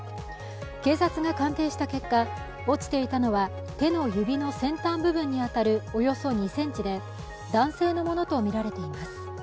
警察が鑑定した結果、落ちていたのは手の指の先端部分に当たるおよそ２ｃｍで男性のものとみられています。